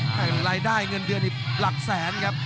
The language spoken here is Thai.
แต่รายได้เงินเดือนอีกหลักแสนครับ